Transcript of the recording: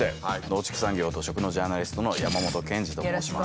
農畜産業と食のジャーナリストの山本謙治と申します。